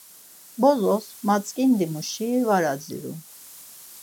Bozos matzǩindimuşi var adziru.